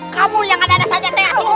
kamu yang ada ada saja